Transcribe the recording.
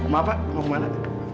maaf pak mau kemana